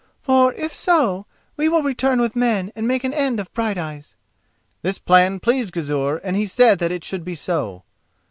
For, if so, we will return with men and make an end of Brighteyes." This plan pleased Gizur, and he said that it should be so.